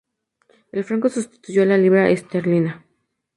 El franco sustituyó a la libra esterlina.